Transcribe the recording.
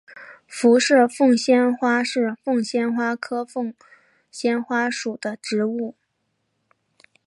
辐射凤仙花是凤仙花科凤仙花属的植物。